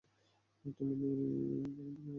তখন তুমি ন্যায়বিচার পাবে।